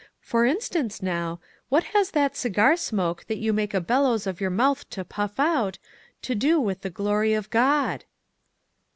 For instance, now, what has that cigar smoke that you make a bellows of your mouth to puff out, to do with the glory of God?"